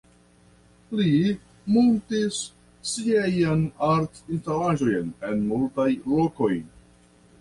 Li muntis siajn art-instalaĵojn en multaj lokoj.